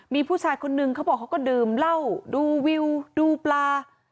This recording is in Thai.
มีผู้ชายคนนึงเขาบอกเขาก็ดื่มเหล้าดูวิวดูปลา